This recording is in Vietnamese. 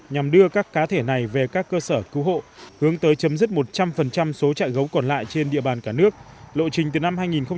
nhằm đưa các cá thể này về các cơ sở cứu hộ hướng tới chấm dứt một trăm linh số trại gấu còn lại trên địa bàn cả nước lộ trình từ năm hai nghìn một mươi bảy tới năm hai nghìn hai mươi hai